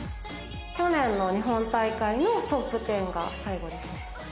去年の日本大会のトップテンが最後ですね。